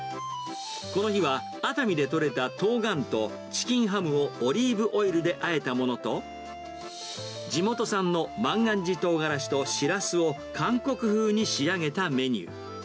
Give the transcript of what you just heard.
この日は熱海で取れた冬瓜とチキンハムをオリーブオイルであえたものと、地元産の万願寺トウガラシとシラスを韓国風に仕上げたメニュー。